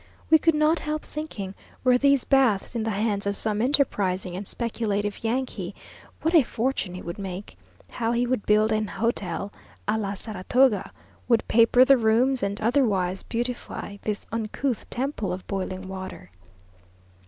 We could not help thinking, were these baths in the hands of some enterprising and speculative Yankee, what a fortune he would make; how he would build an hotel á la Sarratoga, would paper the rooms, and otherwise beautify this uncouth temple of boiling water.